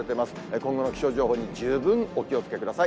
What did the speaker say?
今後の気象情報に十分お気をつけください。